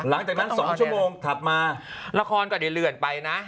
หลังจากนั้นสองชั่วโมงถับมาละครก็เดี๋ยวเลื่อนไปน่ะ